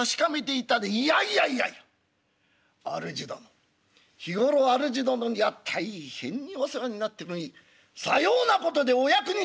「いやいやいやいやあるじ殿日頃あるじ殿には大変にお世話になってるにさようなことでお役に立てれば！